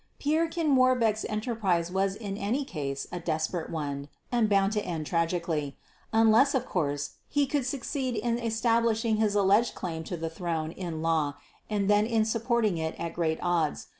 Pierrequin Warbecque's enterprise was in any case a desperate one and bound to end tragically unless, of course, he could succeed in establishing his (alleged) claim to the throne in law and then in supporting it at great odds.